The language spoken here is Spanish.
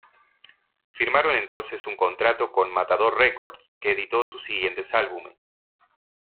Firmaron entonces un contrato con Matador Records, que editó sus siguientes álbumes.